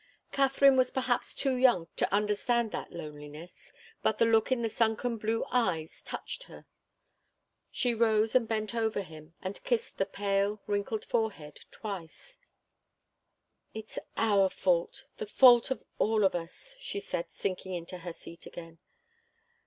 Katharine was perhaps too young to understand that loneliness, but the look in the sunken blue eyes touched her. She rose and bent over him, and kissed the pale, wrinkled forehead twice. "It's our fault the fault of all us," she said, sinking into her seat again.